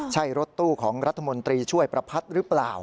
ใช่รถตู้ของรัฐมนตรีช่วยประพัทธ์หรือเปล่า